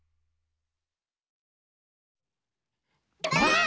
ばあっ！